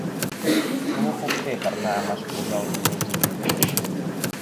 Com ho puc fer per anar a Maspujols el dos de juny?